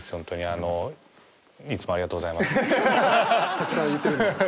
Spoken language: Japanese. たくさん言ってるんでね。